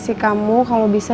semuanya yang saya pukul barusan